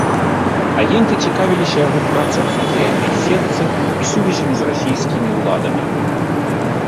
Агенты цікавіліся яго працай у сацыяльнай сетцы і сувязямі з расійскімі ўладамі.